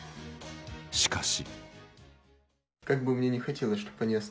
しかし。